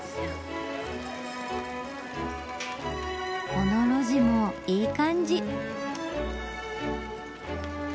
この路地もいい感じ。